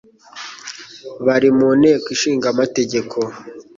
bari mu Nteko Ishinga Amategeko,